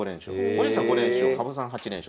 森内さん５連勝羽生さん８連勝。